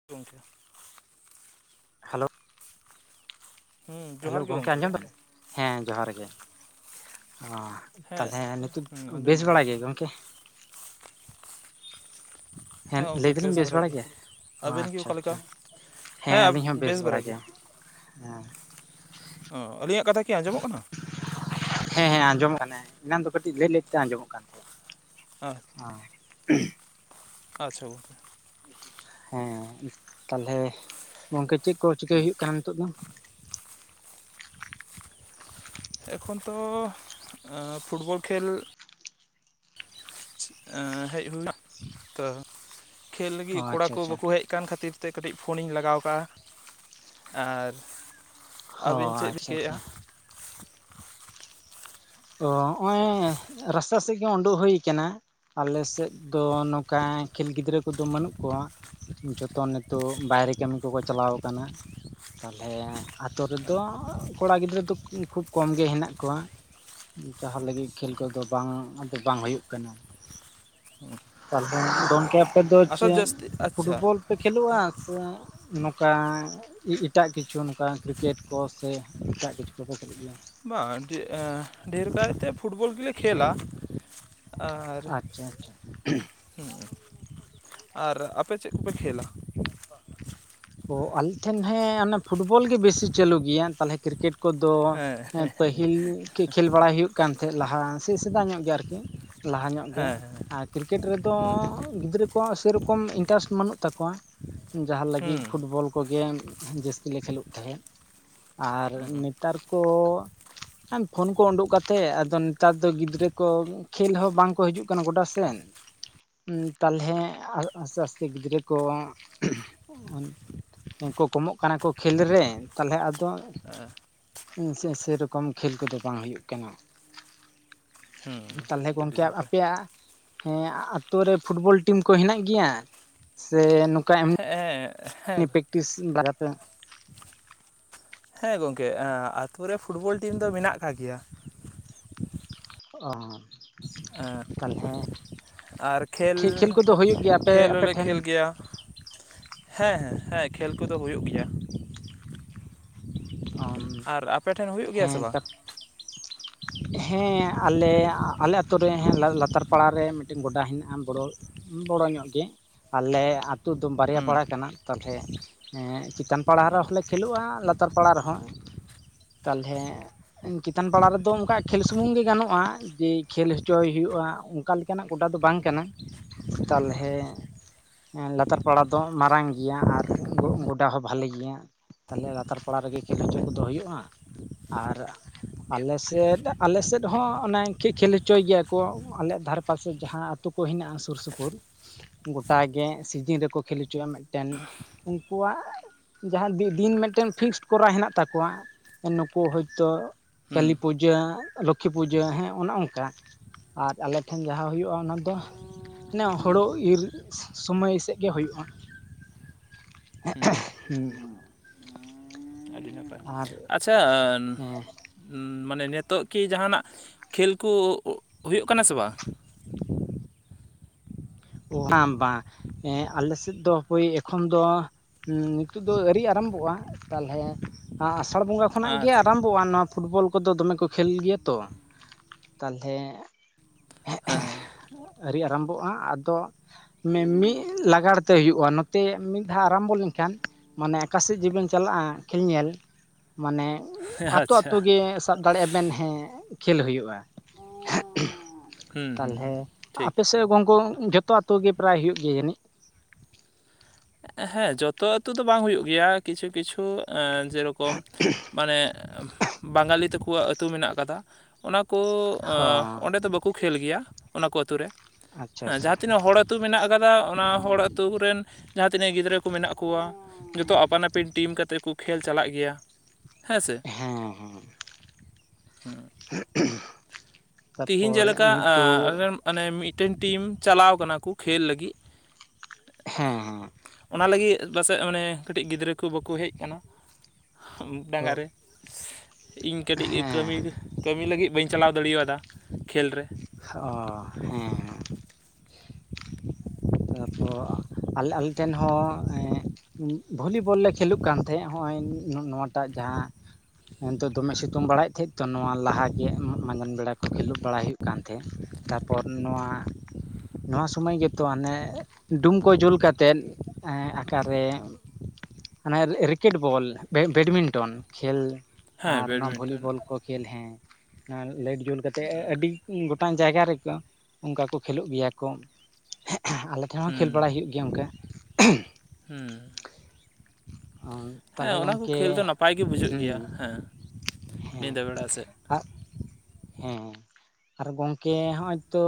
[inaudible] Hello ᱦᱮᱸ hello ᱡᱚᱦᱟᱨ ᱜᱮ ᱜᱚᱢᱠᱮ ᱟᱸᱡᱚᱢ ᱫᱟᱢ ᱦᱮᱸ ᱡᱚᱦᱟᱨ ᱜᱮ᱾ ᱚᱸᱻ ᱦᱮᱸ ᱛᱟᱦᱚᱞᱮ ᱱᱤᱛᱩᱜ ᱦᱮᱸ ᱵᱮᱥ ᱟᱸᱡᱚᱢ ᱫᱟᱞᱤᱧ ᱵᱟᱲᱟ ᱜᱮ ᱜᱚᱝᱠᱮ ᱦᱮᱸ ᱞᱟᱹᱭ ᱜᱚᱢᱠᱮ ᱫᱟᱞᱤᱧ ᱵᱮᱥ ᱵᱟᱨᱟ ᱵᱟᱲᱟ ᱜᱮ ᱜᱮᱭᱟ ᱾ ᱟᱵᱮᱱ ᱜᱮ ᱟᱪᱪᱷᱟ ᱚᱠᱟ ᱟᱪᱪᱷᱟ ᱞᱮᱠᱟ ᱦᱮᱸ ᱦᱮᱸᱻᱻ ᱟᱹᱞᱤᱧ ᱟᱵ- ᱦᱚᱸ ᱵᱮᱥ ᱵᱟᱲᱟ ᱵᱟᱨᱟ ᱜᱮ ᱜᱮᱭᱟ ᱦᱮᱸ ᱚ ᱟᱹᱞᱤᱧᱟᱜ ᱠᱟᱛᱷᱟ ᱠᱤ ᱟᱸᱡᱚᱢᱚᱜ ᱠᱟᱱᱟ? ᱦᱮᱸ ᱦᱮᱸ ᱟᱸᱡᱚᱢᱚᱜ ᱠᱟᱱᱟᱭ ᱮᱱᱟᱝ ᱫᱚ ᱠᱟᱹᱴᱤᱡ ᱞᱟᱹᱭ ᱞᱟᱹᱭ ᱛᱮ ᱟᱸᱡᱚᱢᱚᱜ ᱠᱟᱱ ᱛᱟᱦᱮᱸᱫ [inaudible] ᱦᱳᱭ [unintelligible] ᱟᱪᱪᱷᱟ [unintelligible] ᱦᱮᱸ ᱛᱟᱦᱞᱮ ᱜᱚᱝᱠᱮ ᱪᱮᱫ ᱠᱚ ᱪᱤᱠᱟᱹᱭ ᱦᱩᱭᱩᱜ ᱠᱟᱱᱟ ᱱᱤᱛᱚᱜ ᱫᱚ? ᱮᱠᱷᱚᱱ ᱛᱚᱻ ᱚᱸᱻ ᱯᱷᱩᱴᱵᱚᱞ ᱠᱷᱮᱞ ᱦᱮᱡ ᱦᱩᱱᱟᱜ ᱛᱚ ᱠᱷᱮᱞ ᱚ ᱞᱟᱹᱜᱤᱫ ᱠᱚᱲᱟ ᱟᱪᱪᱷᱟ ᱠᱚ ᱟᱪᱪᱷᱟ ᱵᱟᱠᱚ ᱦᱮᱡᱼᱼ ᱦᱮᱪ ᱠᱟᱱ ᱠᱷᱟᱹᱛᱤᱨ ᱛᱮ ᱠᱟᱹᱴᱤᱡ ᱯᱷᱳᱱᱤᱧ ᱞᱟᱜᱟᱣ ᱠᱟᱜᱼᱟ ᱟᱨ ᱚ ᱟᱹᱵᱤᱱ ᱪᱮᱫ ᱟᱪᱪᱷᱟ ᱪᱤᱠᱟᱹᱭᱮ ᱟᱪᱪᱷᱟ ᱚ ᱱᱚᱜᱼᱚᱭ ᱨᱟᱥᱛᱟ ᱥᱮᱫ ᱜᱮ ᱩᱰᱩᱜᱠ ᱦᱩᱭᱩ ᱠᱟᱱᱟ ᱟᱞᱮ ᱥᱮᱫ ᱫᱚ ᱱᱚᱝᱠᱟ ᱠᱷᱮᱞ ᱜᱤᱫᱽᱨᱟᱹ ᱠᱚᱫᱚ ᱵᱟᱹᱱᱩᱜ ᱠᱚᱣᱟ ᱡᱷᱚᱛᱚ ᱱᱤᱛᱚᱜ ᱵᱟᱭᱨᱮ ᱠᱟᱹᱢᱤ ᱠᱚᱠᱚ ᱪᱟᱞᱟᱣ ᱠᱟᱱᱟ ᱛᱟᱞᱚᱞᱮ ᱟᱛᱳ ᱨᱮᱫᱚ ᱠᱚᱲᱟ ᱜᱤᱫᱽᱨᱟᱹ ᱫᱚ ᱠᱷᱩᱵ ᱠᱚᱢ ᱜᱮ ᱦᱮᱱᱟᱜ ᱠᱚᱣᱟ ᱡᱟᱦᱟᱸ ᱞᱟᱹᱜᱤᱫ ᱠᱷᱮᱞ ᱠᱚᱫᱚ ᱵᱟᱝ ᱟᱫᱚ ᱵᱟᱝ ᱦᱩᱭᱩᱜ ᱠᱟᱱᱟ ᱛᱟᱦᱚᱞᱮ ᱜᱚᱢᱠᱮ ᱟᱯᱮ ᱫᱚ ᱟᱪᱪᱷᱟ ᱪᱮᱫ ᱡᱟᱹᱥᱛᱤ ᱟᱪᱪᱷᱟ ᱯᱷᱩᱴᱵᱚᱞ ᱯᱮ ᱠᱷᱮᱞᱳᱜᱼᱟ ᱥᱮ ᱱᱚᱝᱠᱟ ᱮᱴᱟᱜ ᱠᱤᱪᱷᱩ ᱱᱚᱝᱠᱟ ᱠᱨᱤᱠᱮᱴ ᱠᱚ ᱥᱮ ᱮᱴᱟᱜ ᱠᱤᱪᱷᱩ ᱠᱚᱠᱚ ᱠᱷᱮᱞ ᱜᱮᱭᱟ ᱵᱟ ᱡ [inaudible] ᱰᱷᱮᱨ ᱠᱟᱨᱮᱛᱮ ᱯᱷᱩᱴᱵᱚᱞ ᱜᱮᱞᱮ ᱠᱷᱮᱞᱟ ᱟᱨ ᱟᱪᱪᱷᱟ ᱟᱪᱪᱷᱟ ᱦᱮᱸ ᱟᱨ ᱟᱯᱮ ᱪᱮᱫ ᱠᱚᱯᱮ ᱠᱷᱮᱞᱟ ᱚ ᱟᱞᱮ ᱴᱷᱮᱱ ᱦᱮᱸ ᱚᱱᱟ ᱯᱷᱩᱴᱵᱚᱞ ᱜᱮ ᱵᱮᱥᱤ ᱪᱟᱹᱞᱩ ᱜᱮᱭᱟ ᱛᱟᱦᱚᱞᱮ ᱠᱨᱤᱠᱮᱴ ᱠᱚᱫᱚ ᱦᱮᱸ ᱦᱮᱸ ᱯᱟᱹᱦᱤᱞ ᱠᱷᱮᱞ ᱵᱟᱲᱟᱭ ᱦᱩᱭᱩᱜ ᱠᱟᱱ ᱛᱟᱦᱮᱸᱫ ᱞᱟᱦᱟ ᱥᱮ ᱥᱮᱫᱟᱭ ᱧᱚᱜ ᱜᱮ ᱟᱨᱠᱤ ᱞᱟᱦᱟ ᱧᱚᱜ ᱜᱮ ᱦᱮᱸ ᱟᱨ ᱠᱨᱤᱠᱮᱴ ᱨᱮᱫᱚ ᱦᱩᱸ ᱜᱤᱫᱽᱨᱟᱹ ᱠᱚᱣᱟᱜ ᱥᱮᱨᱚᱠᱚᱢ ᱤᱱᱴᱟᱨᱮᱥᱴ ᱵᱟᱹᱱᱩᱜ ᱛᱟᱠᱚᱣᱟ ᱡᱟᱦᱟᱸ ᱦᱩᱸ ᱞᱟᱹᱜᱤᱫ ᱯᱷᱩᱴᱵᱚᱞ ᱠᱚᱜᱮ ᱡᱟᱹᱥᱛᱤ ᱞᱮ ᱠᱷᱮᱞᱳᱜ ᱛᱟᱦᱮᱸᱫ ᱟᱨ ᱱᱮᱛᱟᱨ ᱠᱚ ᱯᱷᱳᱱ ᱠᱚ ᱩᱰᱩᱠ ᱠᱟᱛᱮᱮᱫ ᱟᱫᱚ ᱱᱮᱛᱟᱨ ᱫᱚ ᱜᱤᱫᱽᱨᱟᱹ ᱠᱚ ᱠᱷᱮᱞ ᱦᱚᱸ ᱵᱟᱝᱠᱚ ᱦᱤᱡᱩᱜ ᱠᱟᱱᱟ ᱜᱚᱴᱟ ᱥᱮᱱ ᱩ ᱛᱟᱞᱦᱮ ᱟᱥᱛᱮ ᱟᱥᱛᱮ ᱜᱤᱫᱽᱨᱟᱹ ᱠᱚ ᱠᱚ ᱠᱚᱢᱚᱜ ᱠᱟᱱᱟ ᱠᱚ ᱠᱷᱮᱞ ᱨᱮ ᱛᱟᱞᱦᱮ ᱟᱫᱚ ᱦᱩᱸ ᱥᱮᱨᱚᱠᱚᱢ ᱠᱷᱮᱞ ᱠᱚᱫᱚ ᱵᱟᱝ ᱦᱩᱭᱩᱜ ᱠᱟᱱᱟ ᱛᱟᱦᱚᱞᱮ ᱦᱩᱸ ᱟᱹᱰᱤ ᱜᱚᱢᱠᱮ ᱱᱟᱯᱟᱭ ᱟᱯᱮᱭᱟᱜ ᱦᱮᱸ ᱟᱛᱩᱨ ᱨᱮ ᱯᱷᱩᱴᱵᱚᱞ ᱴᱤᱢ ᱠᱚ ᱦᱮᱱᱟᱜ ᱜᱮᱭᱟ ᱥᱮ ᱱᱚᱝᱠᱟ ᱮᱢᱤ ᱦᱮᱸ ᱦᱮᱸ ᱩᱱᱤ ᱯᱮᱠᱴᱤᱥ ᱵᱟᱨᱮᱛᱮᱼᱼ ᱦᱮᱸ ᱜᱚᱢᱠᱮ ᱟᱛᱩᱨ ᱨᱮ ᱯᱷᱩᱴᱵᱚᱞ ᱴᱤᱢ ᱫᱚ ᱢᱮᱱᱟᱜ ᱟᱠᱟᱫ ᱜᱮᱭᱟ ᱚ ᱛᱟᱦᱚᱞᱮ ᱟᱨ ᱠᱷᱮᱞ ᱠᱚᱫᱚ ᱦᱩᱭᱩᱜ ᱜᱮᱭᱟ ᱟᱯᱮ ᱠᱷᱮᱞ ᱟᱯᱮ ᱦᱚᱸᱞᱮ ᱴᱷᱮᱱ ᱠᱷᱮᱞ ᱜᱮᱭᱟ ᱦᱮᱸ ᱦᱮᱸ ᱦᱮᱸ ᱠᱷᱮᱞ ᱠᱚᱫᱚ ᱦᱩᱭᱩᱜ ᱜᱮᱭᱟ ᱟᱨ ᱟᱯᱮ ᱴᱷᱮᱱ ᱦᱩᱭᱩᱜ ᱜᱮᱭᱟ ᱥᱮ ᱦᱮᱸ ᱵᱟᱝ ᱛᱟ ᱦᱮᱸ ᱟᱞᱮ ᱟᱞᱮ ᱟᱛᱳ ᱨᱮ ᱞᱟᱛᱟᱨ ᱯᱟᱲᱟᱨ ᱨᱮ ᱢᱤᱫᱴᱮᱱ ᱜᱚᱰᱟ ᱦᱮᱱᱟᱜᱼᱟ ᱵᱚᱲᱚ ᱵᱚᱲᱚ ᱧᱚᱜ ᱜᱮ ᱟᱞᱮ ᱟᱹᱛᱩ ᱫᱚ ᱵᱟᱨᱭᱟ ᱦᱩᱸ ᱯᱟᱲᱟ ᱠᱟᱱᱟ ᱛᱟᱦᱚᱞᱮ ᱦᱮᱸ ᱪᱮᱛᱟᱱ ᱯᱟᱲᱟ ᱨᱮᱦᱚᱸ ᱞᱮ ᱠᱷᱹᱞᱳᱜᱼᱟ ᱞᱟᱛᱟᱨ ᱯᱟᱲᱟ ᱨᱮᱦᱚᱸ ᱛᱟᱞᱚᱞᱮ ᱪᱮᱛᱟᱱ ᱯᱟᱲᱟ ᱨᱮᱫᱚ ᱚᱱᱠᱟ ᱠᱷᱮᱞ ᱥᱩᱢᱩᱝ ᱜᱮ ᱜᱟᱱᱚᱜᱼᱟ ᱡᱮ ᱠᱷᱮᱞ ᱦᱚᱪᱚᱭ ᱦᱩᱭᱩᱜᱼᱟ, ᱚᱱᱠᱟ ᱞᱮᱠᱟᱱᱟᱜ ᱜᱚᱰᱟ ᱫᱚ ᱵᱟᱝ ᱠᱟᱱᱟ᱾ ᱛᱟᱞᱦᱮ ᱞᱟᱛᱟᱨ ᱯᱟᱲᱟ ᱫᱚ ᱢᱟᱨᱟᱝ ᱜᱮᱭᱟ ᱟᱨ ᱜᱚᱰᱟ ᱦᱚᱸ ᱵᱷᱟᱹᱞᱤ ᱜᱮᱭᱟ᱾ ᱛᱟᱦᱞᱮ ᱞᱟᱛᱟᱨ ᱯᱟᱲᱟ ᱨᱮᱜᱮ ᱠᱷᱮᱞ ᱦᱚᱪᱚ ᱠᱚᱫᱚ ᱦᱩᱭᱩᱜᱼᱟ ᱟᱨ ᱟᱞᱮ ᱥᱮᱫ ᱟᱞᱮᱥᱮᱫ ᱦᱚᱸ ᱚᱱᱮ ᱠᱷᱮ ᱠᱷᱮᱞ ᱦᱚᱪᱚᱭ ᱜᱮᱭᱟ ᱠᱚ, ᱟᱞᱮ ᱫᱷᱟᱨᱮ ᱯᱟᱥᱮ ᱡᱟᱦᱟᱸ ᱟᱹᱛᱩ ᱠᱚ ᱦᱮᱱᱟᱜᱼᱟ ᱥᱩᱨ ᱥᱩᱯᱩᱨ ᱜᱚᱴᱟᱜ ᱜᱮ ᱥᱤᱡᱤᱱ ᱨᱮᱠᱚ ᱠᱷᱮᱞ ᱦᱚᱪᱚᱼᱟ ᱢᱤᱫᱴᱮᱱ ᱩᱱᱠᱩᱣᱟᱜ ᱡᱟᱦᱟᱸ ᱫᱤ ᱫᱤᱱ ᱢᱤᱫᱴᱮᱱ ᱯᱷᱤᱠᱥ ᱠᱚᱨᱟᱣ ᱦᱮᱱᱟᱜ ᱛᱟᱠᱚᱣᱟ᱾ ᱱᱩᱠᱩ ᱦᱳᱭᱛᱳ ᱦᱩᱸ ᱠᱟᱹᱞᱤ ᱯᱩᱡᱟᱹ, ᱞᱚᱠᱠᱷᱤ ᱯᱩᱡᱟᱹ ᱦᱮᱸ ᱚᱱᱮ ᱚᱱᱠᱟ ᱟᱨ ᱟᱞᱮᱴᱷᱮᱱ ᱡᱟᱦᱟᱸ ᱦᱩᱭᱩᱜᱼᱟ ᱚᱱᱟ ᱫᱚ ᱦᱟᱱᱮ ᱦᱳᱲᱳ ᱤᱨ ᱥᱳᱢᱚᱭ ᱥᱮᱫ ᱜᱮ ᱦᱩᱭᱩᱜᱼᱟ᱾ ᱦᱩᱸ ᱦᱩᱸ ᱟᱹᱰᱤ ᱱᱟᱯᱟᱭ ᱟᱨ ᱟᱪᱪᱷᱟ ᱦᱮᱸ ᱢᱟᱱᱮ ᱱᱤᱛᱚᱜ ᱠᱤ ᱡᱟᱦᱟᱸᱱᱟᱜ ᱠᱷᱮᱞ ᱠᱚ ᱦᱩᱭᱩᱜ ᱠᱟᱱᱟ ᱥᱮ ᱵᱟᱝ? ᱵᱟᱝ ᱵᱟᱝ ᱮᱸ ᱟᱞᱮᱥᱮᱫ ᱫᱚ ᱦᱳᱭ ᱮᱠᱷᱚᱱ ᱫᱚ ᱦᱩᱸ ᱱᱤᱛᱳᱜ ᱫᱚ ᱟᱹᱣᱨᱤ ᱟᱨᱟᱢᱵᱷᱚᱜ-ᱟ ᱛᱟᱦᱚᱞᱮ ᱟᱥᱟᱲ ᱵᱚᱸᱜᱟ ᱠᱷᱚᱱᱟᱜ ᱜᱮ ᱟᱪᱪᱷᱟ ᱟᱨᱟᱢ ᱯᱚᱜ-ᱟᱱ ᱱᱚᱣᱟ ᱯᱷᱩᱴᱵᱚᱞ ᱠᱚᱫᱚ ᱫᱚᱢᱮ ᱠᱚ ᱠᱷᱮᱞ ᱜᱮᱭᱟ ᱛᱚ ᱛᱟᱦᱚᱞᱮ ᱦᱮᱸ ᱟᱹᱣᱨᱤ ᱟᱨᱟᱢᱵᱷᱚᱜ-ᱟ [unintelligible] ᱛᱚ ᱢᱤᱫ ᱞᱟᱜᱟᱲ ᱛᱮ ᱦᱩᱭᱩᱜ-ᱟ ᱱᱚᱛᱮ ᱢᱤᱫ ᱫᱷᱟᱣ ᱟᱨᱟᱢᱵᱷᱚ ᱞᱮᱱᱠᱷᱟᱱ ᱢᱟᱱᱮ ᱚᱠᱟᱥᱮᱫ ᱡᱮᱵᱮᱱ ᱪᱟᱞᱟᱜ-ᱟ ᱠᱷᱮᱞ ᱧᱮᱞ, ᱢᱟᱱᱮ ᱟᱛᱳ ᱟᱪᱪᱷᱟ ᱟᱛᱳ ᱜᱮ ᱥᱟᱵᱽ ᱫᱟᱲᱮᱭᱟᱜ-ᱟ ᱵᱮᱱ ᱦᱮᱸ ᱠᱷᱮᱞ ᱦᱩᱭᱩᱜ-ᱟ᱾ ᱦᱩᱸ ᱦᱩᱸ ᱛᱟᱦᱚᱞᱮ ᱴᱷᱤᱠ ᱟᱯᱮ ᱥᱮᱫ ᱜᱚᱝᱠᱚ ᱡᱚᱛᱚ ᱟᱛᱳ ᱜᱮ ᱯᱨᱟᱭ ᱦᱩᱭᱩᱜ ᱜᱮᱭᱟ ᱡᱟᱹᱱᱤᱡ ᱦᱮᱸ ᱡᱚᱛᱚ ᱟᱛᱳ ᱫᱚ ᱵᱟᱝ ᱦᱩᱭᱩᱜ ᱜᱮᱭᱟ ᱠᱤᱪᱷᱩ ᱠᱤᱪᱷᱩ ᱡᱮᱨᱚᱠᱚᱢ ᱢᱟᱱᱮ ᱵᱟᱝᱜᱟᱞᱤ ᱛᱟᱠᱚᱣᱟᱜ ᱟᱹᱛᱩ ᱢᱮᱱᱟᱜ ᱟᱠᱟᱫᱟ᱾ ᱚᱱᱟᱠᱚ ᱦᱚᱸ ᱚᱸᱰᱮ ᱫᱚ ᱵᱟᱠᱚ ᱠᱷᱮᱞ ᱜᱮᱭᱟ ᱚᱱᱟᱠᱚ ᱟᱛᱳ ᱨᱮ ᱟᱪᱪᱷᱟ ᱦᱮᱸ ᱟᱪᱪᱷᱟ ᱡᱟᱦᱟᱸ ᱛᱤᱱᱟᱹᱜ ᱦᱚᱲ ᱟᱹᱛᱩ ᱢᱮᱱᱟᱜ ᱟᱠᱟᱫᱟ ᱚᱱᱟ ᱦᱚᱲ ᱟᱹᱛᱩ ᱠᱚᱨᱮᱱ ᱡᱟᱦᱟᱸ ᱛᱤᱱᱟᱹᱜ ᱜᱤᱫᱽᱨᱟᱹ ᱠᱚ ᱢᱮᱱᱟᱜ ᱠᱚᱣᱟ᱾ ᱡᱚᱛᱚ ᱟᱯᱟᱱ ᱟᱹᱯᱤᱱ ᱴᱤᱢ ᱠᱟᱛᱮᱫ ᱠᱚ ᱠᱷᱮᱞ ᱪᱟᱞᱟᱜ ᱜᱮᱭᱟ᱾ ᱦᱮᱸ ᱥᱮ ᱦᱮᱸ ᱦᱮᱸ ᱛᱤᱦᱤᱧ ᱛᱟᱨᱯᱚᱨ ᱡᱮᱞᱮᱠᱟ ᱱᱤᱛᱚᱜ ᱢᱟᱱᱮ ᱢᱤᱫᱴᱮᱱ ᱴᱤᱢ ᱪᱟᱞᱟᱣ ᱟᱠᱟᱱᱟ ᱠᱚ ᱠᱷᱮᱞ ᱞᱟᱹᱜᱤᱫ ᱦᱮᱸ ᱚᱱᱟ ᱞᱟᱹᱜᱤᱫ ᱯᱟᱥᱮᱡ ᱢᱟᱱᱮ ᱠᱟᱹᱴᱤᱡ ᱜᱤᱫᱽᱨᱟᱹ ᱠᱚ ᱵᱟᱠᱚ ᱦᱮᱡ ᱠᱟᱱᱟ᱾ [unintelligible] ᱦᱮᱸ ᱨᱮ ᱤᱧ ᱠᱟᱹᱴᱤᱡ ᱠᱟᱹᱢᱤ ᱫᱟ᱾ ᱠᱟᱹᱢᱤ ᱞᱟᱹᱜᱤᱫ ᱵᱟᱹᱧ ᱪᱟᱞᱟᱣ ᱫᱟᱲᱮᱣᱟᱫᱟ ᱠᱷᱮᱞ ᱨᱮ᱾ ᱚ ᱦᱮᱸ ᱦᱮᱸ [unintelligible] ᱟᱞᱮ ᱟᱞᱮ ᱴᱷᱮᱱ ᱦᱚᱸ ᱮᱸ ᱵᱷᱚᱞᱤᱵᱚᱞ ᱞᱮ ᱠᱷᱮᱞᱳᱜ ᱠᱟᱱ ᱛᱟᱦᱮᱸᱫ ᱱᱚᱜ ᱚᱭ ᱱᱚᱣᱟᱴᱟᱜ ᱡᱟᱦᱟᱸ ᱮᱱᱛᱮ ᱫᱚᱢᱮ ᱥᱤᱛᱩᱝ ᱵᱟᱲᱟᱭᱮᱫ ᱛᱟᱦᱮᱸᱜ ᱛᱚ ᱱᱚᱣᱟ ᱞᱟᱦᱟ ᱜᱮ ᱢᱟᱸᱡᱟᱱ ᱵᱮᱲᱟ ᱠᱚ ᱠᱷᱮᱞᱳᱜ ᱵᱟᱲᱟᱭ ᱦᱩᱭᱩᱜ ᱠᱟᱱ ᱛᱟᱦᱮᱸᱫ᱾ ᱛᱟᱯᱚᱨ ᱱᱚᱣᱟ ᱱᱚᱣᱟ ᱥᱚᱢᱚᱭ ᱜᱮᱛᱚ ᱦᱚᱱᱮ ᱰᱩᱢ ᱠᱚ ᱡᱩᱞ ᱠᱟᱛᱮᱫ ᱟᱠᱟᱨ ᱨᱮ ᱚᱱᱮ ᱨᱮ ᱨᱮᱠᱮᱴ ᱵᱚᱞ ᱵᱮ ᱵᱮᱰᱢᱤᱱᱴᱚᱱ ᱠᱷᱮᱞ ᱦᱮᱸ ᱟᱨ ᱱᱚᱣᱟ ᱵᱮᱰᱢᱤᱱᱴᱚᱱ ᱵᱷᱚᱞᱤᱵᱚᱞ ᱠᱚ ᱠᱷᱮᱞ ᱦᱮᱸ ᱚᱱᱟ ᱞᱟᱭᱤᱴ ᱡᱩᱞ ᱠᱟᱛᱮᱫ ᱟᱹᱰᱤ ᱜᱚᱴ ᱢᱤᱫᱴᱟᱝ ᱡᱟᱭᱜᱟ ᱨᱮᱠᱚ ᱚᱱᱠᱟ ᱠᱚ ᱠᱷᱮᱞᱳᱜ ᱜᱮᱭᱟ ᱠᱚ ᱟᱞᱮ ᱴᱷᱮᱱ ᱦᱚᱸ ᱠᱷᱮᱞ ᱦᱩᱸ ᱵᱟᱲᱟᱭ ᱦᱩᱭᱩᱜ ᱜᱮᱭᱟ ᱚᱱᱠᱟ ᱦᱩᱸ ᱦᱮᱸ ᱛᱟᱦᱚᱞᱮ ᱚᱱᱟ ᱠᱚ ᱜᱚᱢᱠᱮ ᱠᱷᱮᱹᱞ ᱫᱚ ᱱᱟᱯᱟᱭ ᱜᱮ ᱵᱩᱡᱷᱟᱹᱜ ᱜᱮᱭᱟ ᱦᱮᱸ ᱦᱮᱸ ᱧᱤᱫᱟᱹ ᱵᱮᱲᱟ ᱥᱮᱫ ᱦᱮᱸ ᱟᱨ ᱜᱚᱝᱠᱮ ᱦᱚᱜ ᱚᱭ ᱛᱚ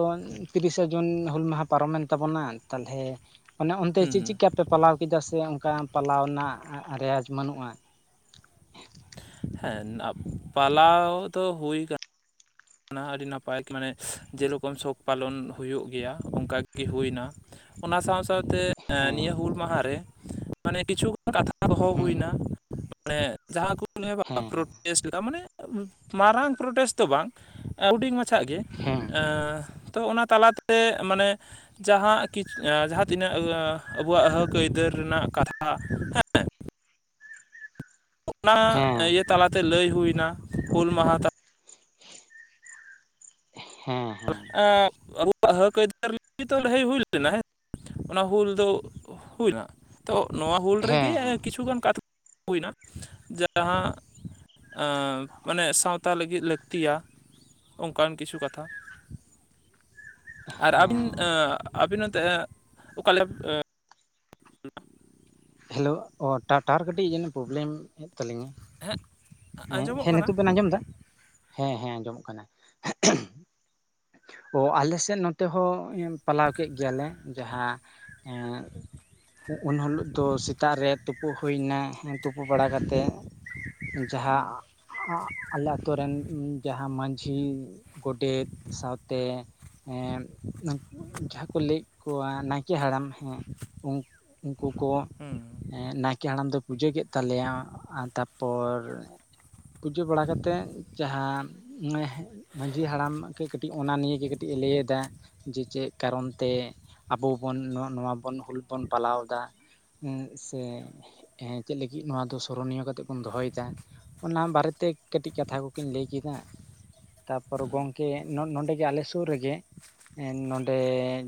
ᱛᱤᱨᱤᱥᱟ ᱡᱩᱱ ᱦᱩᱞ ᱢᱟᱦᱟ ᱯᱟᱨᱚᱢᱮᱱ ᱛᱟᱵᱚᱱᱟ ᱛᱟᱦᱚᱞᱮ ᱚᱱᱮ ᱚᱱᱛᱮ ᱪᱮᱫ ᱪᱮᱫ ᱦᱮᱸ ᱞᱮᱠᱟ ᱯᱮ? ᱯᱟᱞᱟᱣ ᱠᱮᱫᱟ ᱥᱮ ᱚᱱᱠᱟ ᱯᱟᱞᱟᱣ ᱨᱮᱱᱟᱜ ᱨᱮᱭᱟᱡᱽ ᱵᱟᱹᱱᱩᱜ-ᱟ᱾ ᱦᱮᱸ ᱯᱟᱞᱟᱣ ᱫᱚ ᱦᱩᱭ ᱠᱟᱱ ᱚᱱᱟ ᱦᱚᱸ ᱟᱹᱰᱤ ᱱᱟᱯᱟᱭ ᱢᱟᱱᱮ ᱡᱮᱨᱚᱠᱚᱢ ᱥᱚᱠ ᱯᱟᱞᱚᱱ ᱦᱩᱭᱩᱜ ᱜᱮᱭᱟ ᱚᱱᱠᱟ ᱜᱮ ᱦᱩᱭᱱᱟ᱾ ᱚᱱᱟ ᱥᱟᱸᱶ ᱥᱟᱸᱶᱛᱮ ᱦᱮᱸ ᱱᱤᱭᱟᱹ ᱦᱩᱞ ᱢᱟᱦᱟᱨᱮ᱾ ᱢᱟᱱᱮ ᱠᱤᱪᱷᱩᱜᱟᱱ ᱠᱟᱛᱷᱟ ᱫᱚᱦᱚ ᱦᱮᱸ ᱦᱩᱭᱱᱟ ᱢᱟᱱᱮ ᱡᱟᱦᱟᱸ ᱠᱚ ᱞᱟᱹᱭᱟ ᱦᱮᱸ ᱯᱨᱚᱴᱮᱥ᱾ ᱪᱮᱠᱟ ᱢᱟᱱᱮ ᱢᱟᱨᱟᱝ ᱯᱨᱚᱴᱮᱥᱴ ᱫᱚ ᱵᱟᱝ ᱦᱩᱰᱤᱧ ᱢᱟᱪᱷᱟᱪ ᱜᱮ᱾ ᱦᱮᱸ, ᱮᱸ ᱛᱚ ᱚᱱᱟ ᱛᱟᱞᱟᱛᱮ ᱢᱟᱱᱮ, ᱡᱟᱦᱟᱸ ᱠᱤ ᱮᱸ ᱡᱟᱦᱟᱸ ᱛᱤᱱᱟᱹᱜ ᱟᱵᱚᱣᱟᱜ ᱦᱚᱠ ᱟᱹᱭᱫᱟᱹᱨ ᱨᱮᱱᱟᱜ ᱠᱟᱛᱷᱟ᱾ ᱦᱮᱸ ᱚᱱᱟ ᱦᱮᱸ ᱦᱮᱸ ᱤᱭᱟᱹ ᱛᱟᱞᱟᱛᱮ ᱞᱟᱹᱭ ᱦᱩᱭᱱᱟ ᱦᱩᱞ ᱢᱟᱦᱟ ᱛᱟᱞ ᱦᱮᱸ ᱦᱮᱸ ᱮ, [inaudible] ᱟᱵᱚᱣᱟᱜ ᱦᱟᱹᱠ ᱟᱹᱭᱫᱟᱨ ᱱᱤᱛᱚ ᱞᱟᱹᱲᱦᱟᱹᱭ ᱦᱩᱭ ᱞᱮᱱᱟ, ᱦᱮᱸ ᱚᱱᱟ ᱦᱩᱞ ᱫᱚ ᱦᱩᱭᱱᱟ᱾ ᱛᱚ ᱱᱚᱣᱟ ᱦᱩᱞ ᱦᱮᱸ ᱨᱮᱜᱮ ᱦᱮᱸ ᱠᱤᱪᱷᱩᱜᱟᱱ ᱠᱟᱛᱷᱟ [unintelligible] ᱦᱩᱭᱱᱟ ᱡᱟᱦᱟᱸ, ᱟᱸ ᱢᱟᱱᱮ ᱥᱟᱸᱶᱛᱟ ᱞᱟᱹᱜᱤᱫ ᱞᱟᱹᱠᱛᱤᱭᱟ ᱚᱱᱠᱟᱱ ᱠᱤᱪᱷᱩ ᱠᱟᱛᱷᱟ᱾ ᱟᱨ ᱟᱹᱵᱤᱱ ᱦᱮᱸ ᱮᱸ ᱟᱹᱵᱤᱱ ᱱᱚᱛᱮ ᱚᱠᱟᱞᱮᱠ [inaudible] ᱦᱮᱞᱳ ᱚ ᱴᱟᱴᱟᱨ ᱠᱟᱹᱴᱤᱡ ᱡᱮᱱᱚ ᱯᱨᱚᱵᱞᱮᱢ ᱮᱫ ᱛᱟᱹᱞᱤᱧᱟ᱾ ᱦᱮᱸ ᱦᱮᱸ, ᱟᱸᱡᱚᱢᱚᱜ ᱦᱮᱸ ᱠᱟᱱᱟ ᱱᱤᱛᱳᱜ ᱵᱮᱱ ᱟᱸᱡᱚᱢ ᱮᱫᱟ ᱦᱮᱸ ᱦᱮᱸ ᱟᱸᱡᱚᱢᱚᱜ ᱠᱟᱱᱟ᱾ ᱚ ᱟᱞᱮ ᱥᱮᱫ ᱱᱚᱛᱮ ᱦᱚᱸ ᱯᱟᱞᱟᱣ ᱠᱮᱫ ᱜᱮᱭᱟ ᱞᱮ ᱡᱟᱦᱟᱸ, ᱮᱸᱜ ᱩᱱᱦᱤᱞᱳᱜ ᱫᱚ ᱥᱮᱛᱟᱜ ᱨᱮ ᱛᱩᱯᱩ ᱦᱩᱭᱮᱱᱟ᱾ ᱛᱩᱯᱩ ᱵᱟᱲᱟ ᱠᱟᱛᱮᱫ᱾ ᱡᱟᱦᱟᱸ ᱟᱞᱮ ᱟᱛᱳ ᱨᱮᱱ ᱡᱟᱦᱟᱸ ᱢᱟᱺᱡᱷᱤ ᱜᱚᱰᱮᱛ᱾ ᱥᱟᱸᱶᱛᱮ, ᱮᱸ ᱡᱟᱦᱟᱸ ᱠᱚ ᱞᱟᱹᱭᱮᱫ ᱠᱚᱣᱟ ᱱᱟᱭᱠᱮ ᱦᱟᱲᱟᱢ ᱦᱮᱸ, ᱩᱱ ᱩᱱᱠᱩ ᱠᱚ, ᱦᱩᱸ ᱱᱟᱭᱠᱮ ᱦᱟᱲᱟᱢ ᱫᱚ ᱯᱩᱡᱟᱹ ᱠᱮᱫ ᱛᱟᱞᱮᱭᱟ ᱛᱟᱯᱚᱨ ᱮᱸ, ᱯᱩᱡᱟᱹ ᱵᱟᱲᱟ ᱠᱟᱛᱮᱫ ᱡᱟᱦᱟᱸ ᱢᱟᱺᱡᱷᱤ ᱦᱟᱲᱟᱢ, ᱠᱟᱹᱴᱤᱡ ᱚᱱᱟ ᱱᱤᱭ ᱜᱮ ᱠᱟᱹᱴᱤᱡᱼ ᱮ ᱞᱟᱹᱭ ᱮᱫᱟ ᱡᱮ ᱪᱮᱫ ᱠᱟᱨᱚᱱ ᱛᱮ, ᱟᱵᱚ ᱵᱚᱱ ᱱᱚᱣᱟ ᱵᱚᱱ ᱦᱩᱞ ᱵᱚᱱ ᱯᱟᱞᱟᱣ ᱮᱫᱟ ᱥᱮ? ᱦᱮᱸ ᱪᱮᱫ ᱞᱟᱹᱜᱤᱫ ᱱᱚᱣᱟ ᱫᱚ ᱥᱚᱨᱚᱱᱤᱭᱚ ᱠᱟᱛᱮᱜ ᱵᱚᱱ ᱫᱚᱦᱚᱭ ᱮᱫᱟ᱾ ᱚᱱᱟ ᱵᱟᱨᱮᱛᱮ ᱠᱟᱹᱴᱤᱡ ᱠᱟᱛᱷᱟ ᱠᱚᱠᱤᱱ ᱞᱟᱹᱭ ᱠᱮᱫᱟ ᱛᱟᱯᱚᱨ ᱜᱚᱝᱠ ᱠᱮ ᱱᱚᱸᱰᱮᱜᱮ ᱟᱞᱮ ᱥᱩᱨ ᱨᱮᱜᱮ ᱱᱚᱸᱰᱮ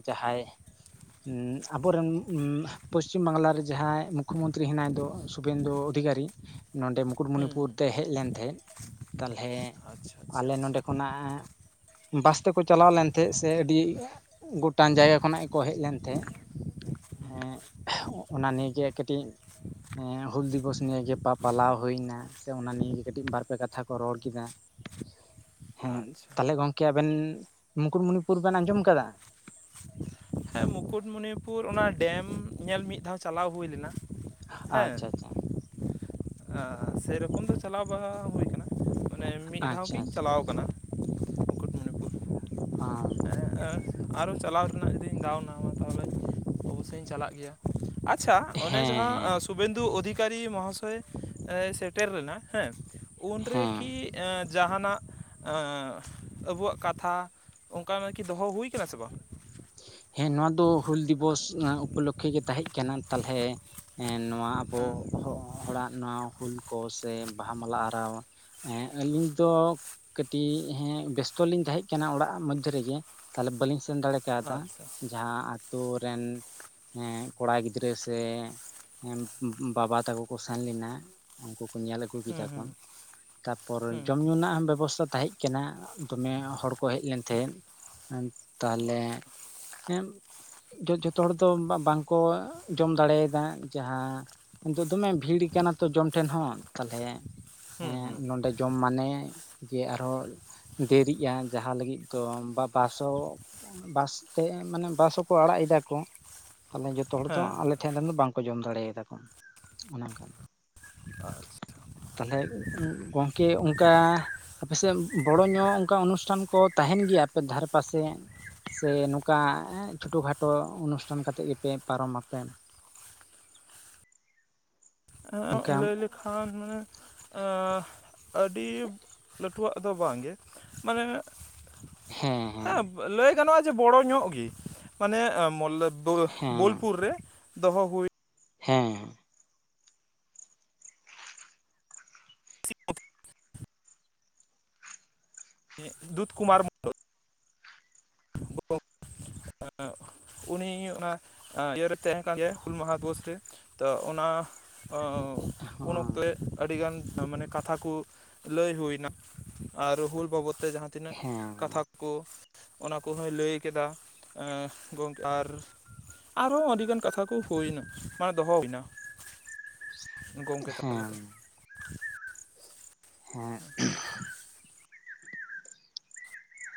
ᱡᱟᱦᱟᱸᱭ, ᱟᱵᱚᱨᱮᱱ ᱯᱚᱥᱪᱤᱢ ᱵᱟᱝᱞᱟ ᱨᱮ ᱡᱟᱦᱟᱸᱭ ᱢᱩᱠᱷᱚ ᱢᱚᱱᱛᱨᱤ ᱦᱮᱱᱟᱭ ᱫᱚ᱾ ᱥᱩᱵᱷᱮᱱᱫᱩ ᱚᱫᱷᱤᱠᱟᱨᱤ᱾ ᱱᱚᱸᱰᱮ ᱢᱩᱠᱩᱴᱢᱩᱱᱤᱯᱩᱨ ᱦᱩᱸ ᱛᱮ ᱦᱮᱡ ᱞᱮᱱ ᱛᱟᱦᱮᱸᱜ ᱛᱟᱞᱦᱮ ᱟᱪᱪᱷᱟ ᱟᱪᱪᱷᱟ ᱟᱞᱮ ᱟᱪᱪᱷᱟ ᱱᱚᱸᱰᱮ ᱠᱷᱚᱱᱟᱜ, ᱵᱟᱥ ᱛᱮᱠᱚ ᱪᱟᱞᱟᱣ ᱞᱮᱱ ᱛᱟᱦᱮᱸᱜ ᱥᱮ ᱟᱹᱰᱤ ᱜᱚᱴᱟᱝ ᱡᱟᱭᱜᱟ ᱠᱷᱚᱱᱟᱜ ᱜᱮᱠᱚ ᱦᱮᱡ ᱞᱮᱱ ᱛᱟᱦᱮᱸᱜ᱾ ᱦᱮᱸ ᱚᱱᱟ ᱱᱤᱭᱟᱹᱜᱮ ᱠᱟᱹᱴᱤᱡ, ᱦᱩᱞ ᱫᱤᱵᱚᱥ ᱱᱤᱭᱮ ᱯᱟ ᱯᱟᱞᱟᱣ ᱦᱩᱭ ᱮᱱᱟ᱾ ᱥᱮ ᱚᱱᱟ ᱱᱤᱭᱮ ᱠᱟᱹᱴᱤᱡ ᱵᱟᱨᱯᱮ ᱠᱟᱛᱷᱟ ᱠᱚ ᱨᱚᱲ ᱠᱮᱫᱟ ᱦᱮᱸ᱾ ᱟᱪᱪᱷᱟ ᱛᱟᱦᱚᱞᱮ ᱜᱚᱝᱠᱮ ᱟᱵᱮᱱ, ᱢᱩᱠᱩᱴᱢᱩᱱᱤᱯᱩᱨ ᱵᱮᱱ ᱟᱸᱡᱚᱢ ᱠᱟᱫᱟ? ᱦᱮᱸ ᱢᱩᱠᱩᱴᱢᱩᱱᱤᱯᱩᱨ ᱚᱱᱟ ᱰᱮᱢ ᱧᱮᱞ ᱢᱤᱫ ᱫᱷᱟᱣ ᱪᱟᱞᱟᱣ ᱦᱩᱭ ᱞᱮᱱᱟ᱾ ᱦᱮᱸ ᱟᱪᱪᱷᱟ ᱟᱪᱪᱷᱟ ᱥᱮᱨᱚᱠᱚᱢ ᱫᱚ ᱪᱟᱞᱟᱣ ᱵᱟᱝ ᱼᱟ ᱦᱩᱭ ᱠᱟᱱᱟ᱾ ᱚᱱᱮ ᱢᱤᱫ ᱫᱷᱟᱣ ᱟᱪᱪᱷᱟ ᱜᱤᱧ ᱟᱪᱪᱷᱟ ᱪᱟᱞᱟᱣ ᱠᱟᱱᱟ᱾ ᱦᱟᱢ, ᱟᱨᱦᱚ ᱪᱟᱞᱟᱣ ᱨᱮᱱᱟᱜ ᱡᱩᱫᱤᱧ ᱫᱟᱣᱱᱟᱢᱟ ᱛᱟᱦᱚᱞᱮ ᱚᱵᱚᱥᱳᱭ ᱤᱧ ᱪᱟᱞᱟᱜ ᱜᱮᱭᱟ᱾ ᱟᱪᱪᱷᱟ ᱚᱱᱮ ᱡᱟᱦᱟᱸ ᱦᱮᱸ ᱥᱩ ᱥᱩᱵᱮᱱᱫᱩ ᱚᱫᱷᱤᱠᱟᱨᱤ ᱢᱚᱦᱟᱥᱚᱭ ᱥᱮᱴᱮᱨ ᱞᱮᱱᱟ ᱦᱮᱸ ᱩᱱᱨᱮ ᱦᱮᱸ ᱠᱤ? ᱡᱟᱦᱟᱱᱟᱜ ᱟᱵᱚᱣᱟᱜ ᱠᱟᱛᱷᱟ, ᱚᱝᱠᱟ ᱟᱨᱠᱤ ᱫᱚᱦᱚ ᱦᱩᱭ ᱠᱟᱱᱟ ᱥᱮ ᱵᱟᱝ? ᱦᱮᱸ ᱱᱚᱣᱟ ᱫᱚ ᱦᱩᱞ ᱫᱤᱵᱚᱥ ᱩᱯᱚᱞᱚᱠᱷᱮ ᱜᱮ ᱛᱟᱦᱮᱸᱜ ᱠᱟᱱᱟ ᱛᱟᱦᱚᱞᱮ, ᱱᱚᱣᱟ ᱟᱵᱚ ᱦᱮᱸ ᱦᱚᱲᱟᱜ ᱱᱚᱣᱟ ᱦᱩᱞ ᱠᱚ ᱥᱮ ᱵᱟᱦᱟ ᱢᱟᱞᱟ ᱟᱨᱟᱣ ᱦᱮᱸ ᱟᱹᱞᱤᱧ ᱫᱚ ᱠᱟᱹᱴᱤᱡ ᱦᱮᱸ ᱵᱮᱥᱛᱚ ᱞᱤᱧ ᱛᱟᱦᱮᱸ ᱠᱟᱱᱟ ᱚᱲᱟᱜ ᱢᱚᱫᱽᱫᱷᱮ ᱨᱮᱜᱮ ᱛᱟᱦᱚᱞᱮ ᱵᱟᱹᱞᱤᱧ ᱥᱮᱱ ᱫᱟᱲᱮ ᱠᱟᱣᱫᱟ ᱟᱪᱪᱷᱟ ᱡᱟᱦᱟᱸ ᱟᱛᱳ ᱨᱮᱱ ᱦᱮᱸ ᱠᱚᱲᱟ ᱜᱤᱫᱽᱨᱟᱹ ᱥᱮ ᱦᱮᱸ ᱵᱟᱵᱟ ᱛᱟᱠᱚ ᱠᱚ ᱥᱮᱱ ᱞᱮᱱᱟ ᱩᱱᱠᱩ ᱠᱚ ᱧᱮᱞ ᱟᱹᱜᱩ ᱠᱮᱫᱟ ᱦᱩᱸ ᱠᱚ ᱛᱟᱯᱚᱨ ᱦᱩᱸ ᱡᱚᱢ ᱧᱩ ᱨᱮᱱᱟᱜ ᱦᱚᱸ ᱵᱮᱵᱚᱥᱛᱷᱟ ᱛᱟᱦᱮᱸᱡ ᱠᱟᱱᱟ ᱫᱚᱢᱮ ᱦᱚᱲ ᱠᱚ ᱦᱮᱡ ᱞᱮᱱ ᱛᱟᱦᱮᱸᱫ ᱦᱩᱸ ᱛᱟᱦᱞᱮ [unintelligible] ᱡᱚ ᱡᱚᱛᱷᱚ ᱦᱚᱲ ᱫᱚ ᱵᱟᱝᱠᱚ ᱡᱚᱢ ᱫᱟᱲᱮ ᱟᱫᱟ ᱡᱟᱦᱟᱸ ᱫᱚ ᱫᱚᱢᱮ ᱵᱷᱤᱲ ᱠᱟᱱᱟ ᱛᱚ ᱡᱚᱢ ᱴᱷᱮᱱ ᱦᱚᱸ ᱛᱟᱞᱦᱮ ᱮ ᱦᱩᱸ ᱦᱩᱸ ᱱᱚᱰᱮ ᱡᱚᱢ ᱢᱟᱱᱮ ᱡᱮ ᱟᱨᱦᱚᱸ ᱫᱮᱨᱤᱜᱼᱟ ᱡᱟᱦᱟᱸ ᱞᱟᱹᱜᱤᱫ ᱫᱚ ᱵᱟ ᱵᱟᱥ ᱦᱚᱸ ᱵᱟᱥ ᱛᱮ ᱢᱟᱱᱮ ᱵᱟᱥ ᱦᱚᱸᱠᱚ ᱟᱲᱟᱜ ᱫᱟ ᱠᱚ ᱛᱟᱦᱚᱞᱮ ᱡᱚᱛᱷᱚ ᱦᱚᱲ ᱫᱚ ᱦᱮᱸ ᱟᱞᱮ ᱴᱷᱮᱱ ᱨᱮᱱ ᱫᱚ ᱵᱟᱝᱠᱚ ᱡᱚᱢ ᱫᱟᱲᱮ ᱠᱟᱫᱟ ᱚᱱᱮ ᱚᱱᱠᱟ [unintelligible] ᱛᱟᱞᱦᱮ ᱜᱚᱝᱠᱮ ᱚᱝᱠᱟ ᱟᱯᱮᱥᱮᱫ ᱵᱚᱲᱚ ᱧᱚᱜ ᱚᱱᱠᱟ ᱚᱱᱩᱥᱴᱷᱟᱱ ᱠᱚ ᱛᱟᱦᱮᱸᱱ ᱜᱮᱭᱟ ᱟᱯᱮ ᱫᱷᱟᱨᱮ ᱯᱟᱥᱮ ᱥᱮ ᱱᱚᱝᱠᱟ ᱪᱷᱳᱴᱳ ᱠᱷᱟᱴᱳ ᱚᱱᱩᱥᱴᱷᱟᱱ ᱠᱟᱛᱮᱫ ᱜᱮᱯᱮ ᱯᱟᱨᱚᱢᱟᱯᱮ ᱚᱜ ᱚᱱᱠᱟ ᱞᱟᱹᱭ ᱞᱮᱠᱷᱟᱱ ᱢᱟᱱᱮ ᱮ ᱟᱹᱰᱤ ᱞᱟᱹᱴᱩᱣᱟᱜ ᱫᱚ ᱵᱟᱝᱜᱮ ᱢᱟᱱᱮ ᱦᱮᱸ ᱦᱮᱸ ᱞᱟᱹᱭ ᱜᱟᱱᱚᱜᱼᱟ ᱡᱮ ᱵᱚᱲᱚ ᱧᱚᱜ ᱜᱮ ᱢᱟᱱᱮ ᱦᱮᱸ ᱵᱳᱞᱯᱩᱨ ᱨᱮ ᱫᱚᱦᱚ ᱦᱩᱭ ᱦᱮᱸ ᱫᱩᱛ ᱠᱩᱢᱟᱨ ᱢᱚ [inaudible] ᱮᱫ ᱩᱱᱤ ᱚᱱᱟ ᱤᱭᱟᱹᱨᱮ ᱛᱟᱦᱮᱸ ᱠᱟᱱ ᱜᱮᱭᱟ ᱦᱩᱞ ᱢᱟᱦᱟ ᱫᱤᱵᱚᱥ ᱨᱮ ᱛᱚ ᱚᱱᱟ ᱚ ᱩᱱ ᱦᱚᱸ ᱚᱠᱛᱮ ᱟᱹᱰᱤᱜᱟᱱ ᱢᱟᱱᱮ ᱠᱟᱛᱷᱟ ᱠᱚ ᱞᱟᱹᱭ ᱦᱩᱭᱱᱟ ᱟᱨ ᱦᱩᱞ ᱵᱟᱵᱚᱫ ᱛᱮ ᱡᱟᱦᱟᱸ ᱛᱤᱱᱟᱹᱜ ᱦᱮᱸ ᱠᱟᱛᱷᱟ ᱠᱚ ᱠᱚᱦᱚᱭ ᱞᱟᱹᱭ ᱠᱮᱫᱟ ᱮ ᱜᱚᱝᱠᱮ ᱟᱨ ᱟᱨᱦᱚᱸ ᱟᱹᱰᱤᱜᱟᱱ ᱠᱟᱛᱷᱟ ᱠᱚ ᱦᱩᱭᱱᱟ ᱢᱟᱱᱮ ᱫᱚᱦᱚ ᱦᱩᱭᱱᱟ ᱜᱚᱝᱠᱮ ᱛᱟᱞᱟᱛᱮ ᱦᱮᱸ ᱦᱮᱸ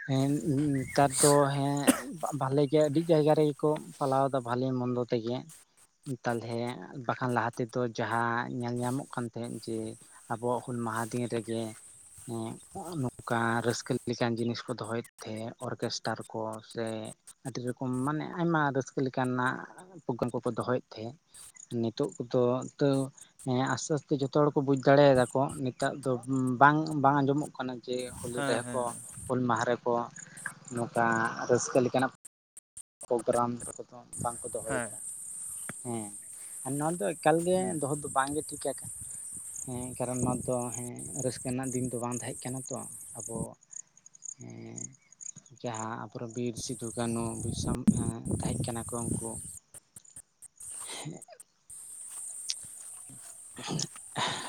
ᱦᱮᱸ ᱱᱮᱛᱟᱨ ᱫᱚ ᱦᱮᱸ ᱵᱷᱟᱞᱮ ᱜᱮ ᱟᱹᱰᱤ ᱡᱟᱭᱜᱟ ᱨᱮᱜᱮ ᱠᱚ ᱯᱟᱞᱟᱣ ᱫᱟ ᱵᱷᱟᱞᱮ ᱢᱚᱱᱫᱚ ᱛᱮᱜᱮ ᱛᱟᱞᱦᱮ ᱵᱟᱠᱷᱟᱱ ᱞᱟᱦᱟ ᱛᱮᱫᱚ ᱡᱟᱦᱟᱸ ᱧᱮᱞ ᱧᱟᱢᱚᱜ ᱠᱟᱱ ᱛᱟᱦᱮᱸᱫ ᱡᱮ ᱟᱵᱚᱣᱟᱜ ᱦᱩᱞ ᱢᱟᱦᱟ ᱫᱤᱱ ᱨᱮᱜᱮ ᱮ ᱱᱚᱝᱠᱟᱱ ᱨᱟᱹᱥᱠᱟᱹ ᱞᱮᱠᱟᱱ ᱡᱤᱱᱤᱥ ᱠᱚ ᱫᱚᱦᱚᱭᱮᱫ ᱛᱮ ᱚᱨᱠᱮᱥᱴᱟᱨ ᱠᱚ ᱥᱮ ᱟᱹᱰᱤ ᱨᱚᱠᱚᱢ ᱢᱟᱱᱮ ᱟᱭᱢᱟ ᱨᱟᱹᱥᱠᱟᱹ ᱞᱮᱠᱟᱱᱟᱜ ᱯᱨᱳᱜᱨᱟᱢ ᱠᱚᱠᱚ ᱫᱚᱦᱚᱭᱮᱫ ᱛᱟᱦᱮᱸᱫ ᱱᱤᱛᱚᱜ ᱠᱚᱫᱚ ᱛᱟ. ᱣ ᱦᱮᱸ ᱟᱥᱛᱮ ᱟᱥᱛᱮ ᱡᱚᱛᱚ ᱦᱚᱲ ᱠᱚ ᱵᱩᱡ ᱫᱟᱲᱮᱭᱟᱫᱟᱠᱚ ᱱᱮᱛᱟᱨ ᱫᱚ ᱵᱟᱝ ᱵᱟᱝ ᱟᱸᱡᱚᱢᱚᱜ ᱠᱟᱱᱟ ᱡᱮ ᱦᱩᱞ ᱦᱮᱸ ᱨᱮᱦᱚᱸ ᱠᱚ ᱦᱮᱸ ᱦᱩᱞ ᱢᱟᱦᱟ ᱨᱮᱠᱚ ᱱᱚᱝᱠᱟ ᱨᱟᱹᱥᱠᱟᱹ ᱞᱮᱠᱟᱱᱟᱜ ᱯᱳᱠᱜᱨᱟᱢ ᱠᱚᱫᱚ ᱵᱟᱝᱠᱚ ᱦᱮᱸ ᱫᱚᱦᱚᱭᱫᱟ ᱦᱮᱸ ᱟᱨ ᱱᱚᱣᱟ ᱫᱚ ᱮᱠᱟᱞᱜᱮ ᱦᱩᱸ ᱫᱚᱦᱚ ᱫᱚ ᱵᱟᱝᱜᱮ ᱴᱷᱤᱠᱟ ᱦᱮᱸ ᱠᱟᱨᱚᱱ ᱱᱚᱣᱟ ᱫᱚ ᱦᱮᱸ ᱨᱟᱹᱥᱠᱟᱹ ᱨᱮᱱᱟᱜ ᱫᱤᱱ ᱫᱚ ᱵᱟᱝ ᱛᱟᱦᱮᱸᱡ ᱠᱟᱱᱟ ᱛᱚ ᱟᱵᱚ ᱦᱮᱸ ᱡᱟᱦᱟᱸ ᱟᱵᱚᱨᱮ ᱵᱤᱨ ᱥᱤᱫᱩ ᱠᱟᱹᱱᱩ ᱛᱟᱢ ᱮ ᱛᱟᱸᱦᱮᱡ ᱠᱟᱱᱟ ᱠᱚ ᱩᱱᱠᱩ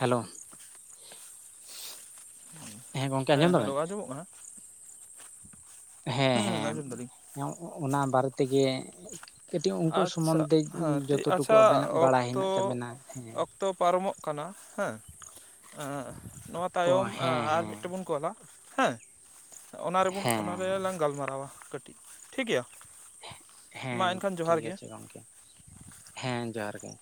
ᱦᱮᱞᱳ ᱜᱚᱝᱠᱮ ᱦᱮᱸ ᱟᱸᱡᱚᱢ ᱦᱮᱞᱳ ᱫᱟᱵᱮᱱ ᱟᱸᱡᱚᱢᱚᱜ ᱠᱟᱱᱟ ᱦᱮᱸ ᱦᱩᱸ ᱟᱡᱚᱢ ᱫᱟᱞᱤᱧ ᱚᱱᱟ ᱵᱟᱨᱮ ᱛᱮᱜᱮᱼᱼ ᱠᱟᱹᱴᱤᱡ ᱩᱱᱠᱩ ᱟᱪᱪᱷᱟ ᱥᱚᱢᱚᱱᱛᱮ ᱦᱮᱸ ᱴᱷᱤᱠ ᱡᱚᱛᱚ ᱴᱩᱠᱩ ᱟᱪᱪᱷᱟ ᱟᱵᱮᱱᱟᱜ ᱵᱟᱲᱟᱭ ᱦᱮᱱᱟᱜ ᱛᱟᱵᱮᱱᱟ ᱦᱮᱸ᱾ ᱛᱚ ᱯᱟᱨᱚᱢᱚᱜ ᱠᱟᱱᱟ ᱦᱮᱸ ᱱᱚᱣᱟᱼᱼ ᱚ ᱛᱟᱭᱚᱢ ᱦᱮᱸ ᱟᱨ ᱦᱮᱸ ᱢᱤᱫᱴᱮᱱ ᱵᱚᱱ ᱠᱚᱞᱟ ᱦᱮᱸ᱾ ᱚᱱᱟ ᱨᱮᱵᱚᱱ ᱚᱱᱟ ᱦᱮᱸ ᱨᱮᱞᱟᱝ ᱜᱟᱞᱢᱟᱨᱟᱣᱟ ᱠᱟᱹᱴᱤᱡ, ᱴᱷᱤᱠ ᱜᱮᱭᱟ? ᱢᱟ ᱦᱮᱸ ᱮᱱᱠᱷᱟᱱ ᱡᱚᱦᱟᱨ ᱴᱷᱤᱠ ᱜᱮ ᱟᱪᱷᱮ ᱜᱚᱝᱠᱮ ᱦᱮᱸ ᱡᱚᱦᱟᱨ ᱜᱮ᱾